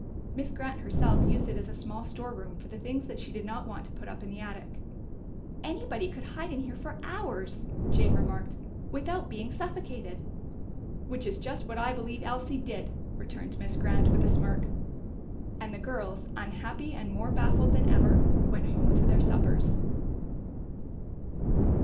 Miss Grant herself used it as a small storeroom for the things that she did not want to put up in the attic. "Anybody could hide here for hours," Jane remarked, "without being suffocated." "Which is just what I believe Elsie did!" returned Miss Grant, with a smirk. And the girls, unhappy and more baffled than ever, went home to their suppers.